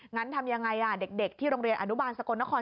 งั้นทำยังไงเด็กที่โรงเรียนอนุบาลสกลนคร